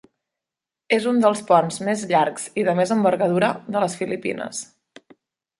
És un dels ponts més llargs i de més envergadura de les Filipines.